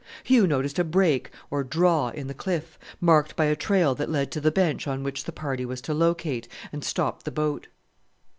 Hugh noticed a break or "draw" in the cliff, marked by a trail that led to the bench on which the party was to locate, and stopped the boat.